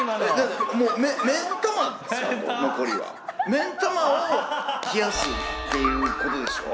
目ん玉を冷やすっていうことでしょ